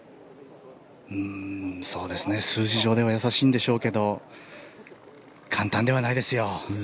数字上では易しいんでしょうけど簡単ではないですよ。